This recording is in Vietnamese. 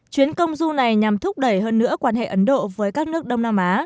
chuyến công du này nhằm thúc đẩy hơn nữa quan hệ ấn độ với các nước đông nam á